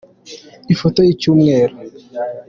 Ifoto y’Icyumweru